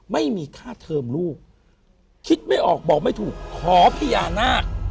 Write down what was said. ไม่มีค่าเทอมลูกคิดไม่ออกบอกไม่ถูกขอพญานาค